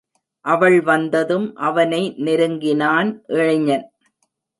அவள் வந்ததும், அவனை நெருங்கினான் இளைஞன்.